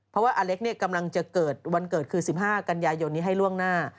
เพราะว่าอเล็กกำลังจะเกิดวันเกิดคือ๑๕กันยายนนี้ให้ล่วงหน้า